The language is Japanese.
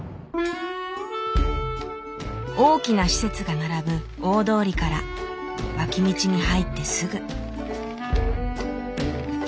大きな施設が並ぶ大通りから脇道に入ってすぐ。